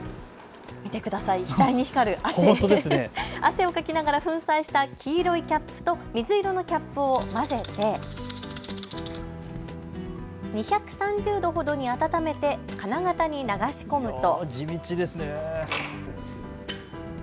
汗をかきながら粉砕した黄色いキャップと水色のキャップを混ぜて２３０℃ほどに温めて金型に流し込むと。